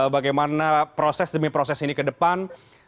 bagaimana proses demi proses ini ke depan